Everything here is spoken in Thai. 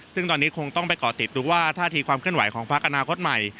ซึ่งตอนนี้คงต้องไปก่อติดดูว่าท่าทีความเคลื่อนไหวของพักอนาคตใหม่